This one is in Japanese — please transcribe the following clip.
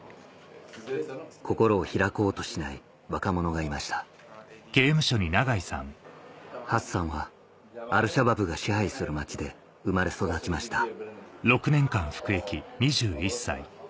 心を開こうとしない若者がいましたハッサンはアルシャバブが支配する街で生まれ育ちました